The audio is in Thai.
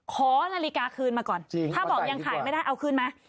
ขอนาฬิกาคืนมาก่อนจริงถ้าบอกยังขายไม่ได้เอาคืนไหม